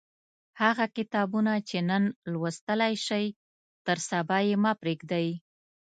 هغه کتابونه چې نن لوستلای شئ تر سبا یې مه پریږدئ.